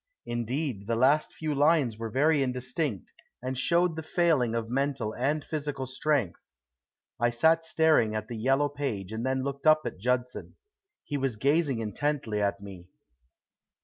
Indeed, the last few lines were very indistinct, and showed the failing of mental and physical strength. I sat staring at the yellow page and then looked up at Judson. He was gazing intently at me.